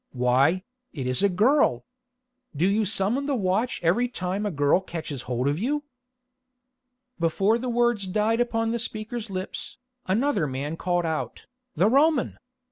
"Why, it is a girl! Do you summon the watch every time a girl catches hold of you?" Before the words died upon the speaker's lips, another man called out, "The Roman!